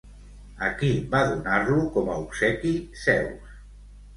A qui va donar-lo com a obsequi Zeus?